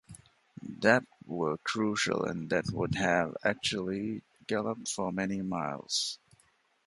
That were crucial and that would have actually galloped for many miles .